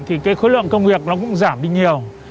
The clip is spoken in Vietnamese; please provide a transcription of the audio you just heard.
thì cái khối lượng công việc nó cũng giảm đi nhiều